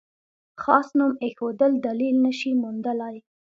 خاص نوم ایښودل دلیل نه شي موندلای.